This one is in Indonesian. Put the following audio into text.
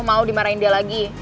mau dimarahin dia lagi